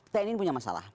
tni ini punya masalah